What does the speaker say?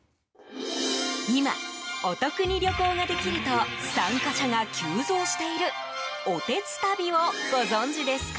今、お得に旅行ができると参加者が急増しているおてつたびをご存じですか？